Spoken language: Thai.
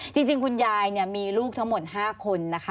จริงคุณยายมีลูกทั้งหมด๕คนนะคะ